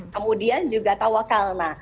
kemudian juga tawak kalna